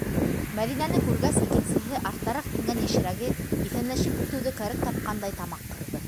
Мәҙинәне күргәс, икенсеһе, арттараҡ ингән йәшерәге, иҫәнләшеп үтеүҙе кәрәк тапҡандай, тамаҡ ҡырҙы: